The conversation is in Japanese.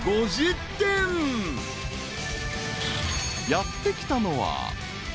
［やって来たのは］